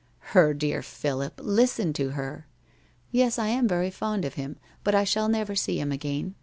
' Her dear Philip ! Listen to her !'' Yes, I am very fond of him, but I shall never see him again.